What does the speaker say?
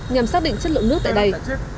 nhằm xác định chất lượng nước tại đây